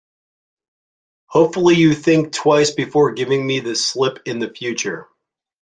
Hopefully, you'll think twice before giving me the slip in future.